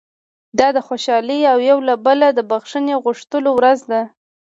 دا د خوشالۍ او یو له بله د بښنې غوښتلو ورځ ده.